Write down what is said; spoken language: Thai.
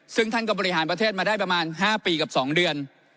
ซึ่งท่านก็บริหารประเทศมาได้ประมาณ๕ปีกับ๒เดือน